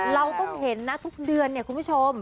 เราต้องเห็นนะทุกเดือนเนี่ยคุณผู้ชม